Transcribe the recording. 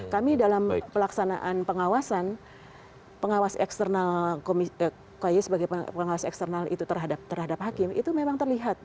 kami dalam pelaksanaan pengawasan kay sebagai pengawas eksternal terhadap hakim itu memang terlihat